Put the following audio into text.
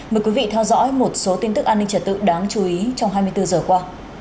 mời quý vị theo dõi một số tin tức an ninh trật tự đáng chú ý trong hai mươi bốn giờ qua